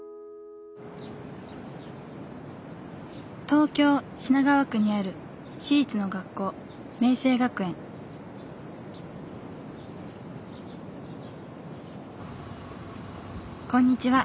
東京・品川区にある私立の学校こんにちは。